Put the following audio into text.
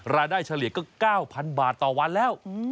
เฉลี่ยก็๙๐๐บาทต่อวันแล้ว